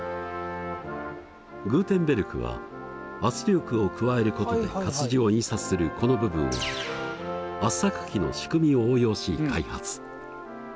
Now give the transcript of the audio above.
グーテンベルクは圧力を加えることで活字を印刷するこの部分を圧搾機の仕組みを応用し開発。